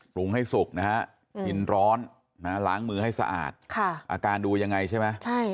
ปรุงให้สุกนะฮะกินร้อนล้างมือให้สะอาดอาการดูยังไงใช่ไหม